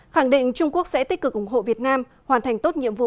khẳng định trung quốc sẽ tích cực ủng hộ việt nam hoàn thành tốt nhiệm vụ